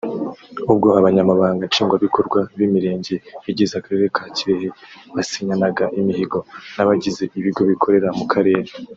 ubwo Abanyamabanga Nshingwabikorwa b’Imirenge igize Akarere ka Kirehe basinyanaga imihigo n’abagize ibigo bikorera mu Karere